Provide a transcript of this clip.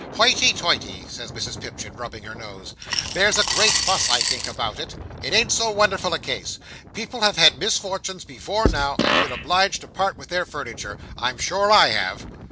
"Hoity toity!" says Mrs Pipchin, rubbing her nose. "There's a great fuss, I think, about it. It ain't so wonderful a case. People have had misfortunes before now, and been obliged to part with their furniture. I'm sure I have!"